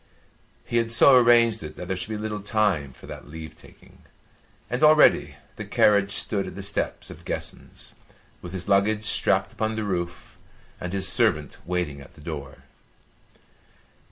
He had so arranged it that there should be little time for that leave taking, and already the carriage stood at the steps of Guessens, with his luggage strapped upon the roof and his servant waiting at the door.